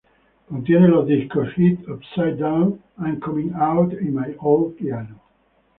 Contiene los disco hits "Upside Down", "I'm coming out" y "My old piano.